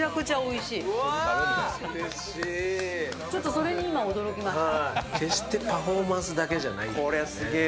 それに今、驚きました。